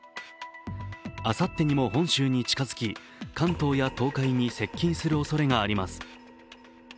あさってにも本州に近づき、関東や東海に接近するおそれがあります。